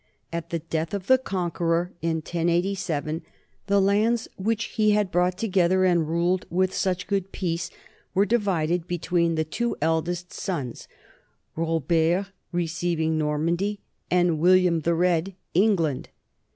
At the death of the Conqueror in 1087 the lands which he had brought together and ruled with such good peace were divided between his two eldest sons, Robert receiving Normandy and William the Red, England.